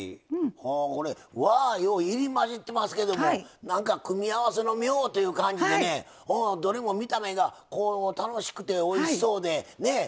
これ和洋入り交じってますけどもなんか組み合わせの妙という感じでねどれも見た目が楽しくておいしそうでねえ。